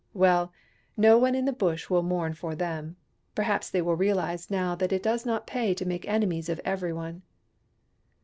" Well, no one in the Bush will mourn for them. Perhaps they will realize now that it does not pay to make enemies of every one."